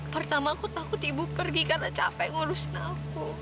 pertama aku takut ibu pergi karena capek ngurus aku